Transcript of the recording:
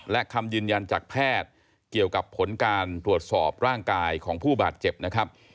และคำยืนยันจากแพทย์เกี่ยวกับผลการตรวจสอบร่างกายของผู้บาดเจ็บนะครับ